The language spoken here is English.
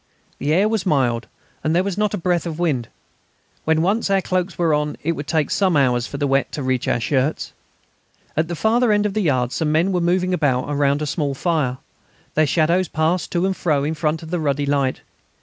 The air was mild, and there was not a breath of wind. When once our cloaks were on it would take some hours for the wet to reach our shirts. At the farther end of the yard some men were moving about round a small fire. Their shadows passed to and fro in front of the ruddy light.